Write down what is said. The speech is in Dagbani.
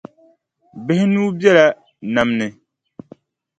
Bihi nuu bela nam ni.